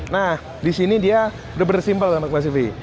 nah disini dia bener bener simple sama kemas v